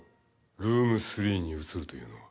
ルーム３に移るというのは。